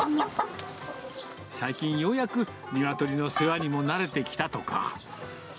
最近ようやく、ニワトリの世話にも慣れてきたとか。